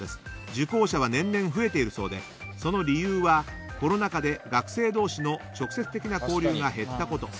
受講者は年々増えているそうで、その理由はコロナ禍で学生同士の直接的な交流が減ったこと。